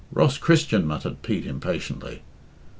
Ross Christian!" muttered Pete impatiently.